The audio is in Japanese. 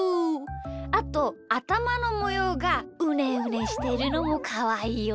あとあたまのもようがうねうねしてるのもかわいいよね。